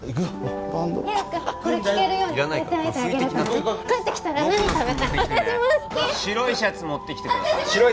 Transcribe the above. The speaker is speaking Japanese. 私も好き白いシャツ持ってきてください